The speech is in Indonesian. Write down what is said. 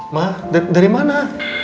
ma dari mana